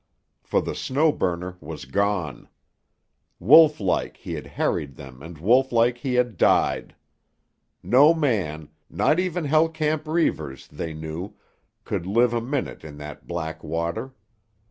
For the Snow Burner was gone. Wolf like he had harried them and wolf like he had died. No man, not even Hell Camp Reivers, they knew, could live a minute in that black water.